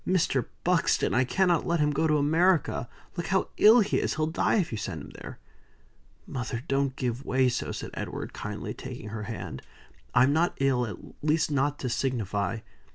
"Mr. Buxton, I cannot let him go to America. Look how ill he is. He'll die if you send him there." "Mother, don't give way so," said Edward, kindly, taking her hand. "I'm not ill, at least not to signify.